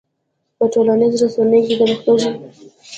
په ټولنیزو رسنیو کې د پښتو ژبې پیاوړتیا مهمه ده.